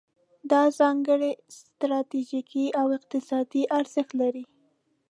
دا ځانګړی ستراتیژیکي او اقتصادي ارزښت لري.